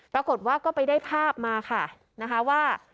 ปรากฏว่าก็ไปได้ภาพมาค่ะนะคะว่า